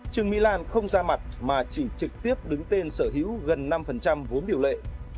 trương mỹ lan không ra mặt mà chỉ trực tiếp đứng tên sở hữu gần năm vốn điều lệ